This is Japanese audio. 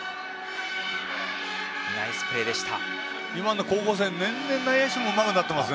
ナイスプレーでした。